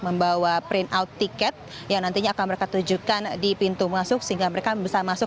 membawa print out tiket yang nantinya akan mereka tunjukkan di pintu masuk sehingga mereka bisa masuk